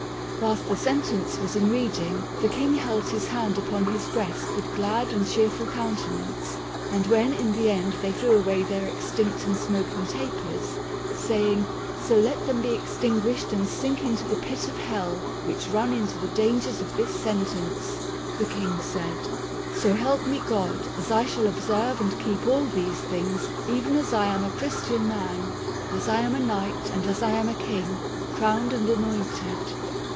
... Whilst the sentence was in reading the King held his hand upon his breast with glad and cheerful countenance, and when in the end they threw away their extinct and smoking tapers, saying, ' So let them be extinguished and sink into the pit of hell which run into the dangers of this sentence,' the King said, ' So help me God, as I shall observe and keep all these things, even as I am a Christian man, as I am a Knight, and as I am a King, crowned and anointed